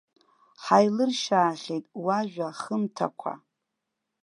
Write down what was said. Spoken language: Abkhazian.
Ҳаилыршьаахьеит уажәа хымҭақәа.